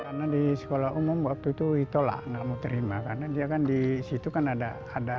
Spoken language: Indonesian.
karena di sekolah umum waktu itu ditolak enggak mau terima karena dia kan disitu kan ada ada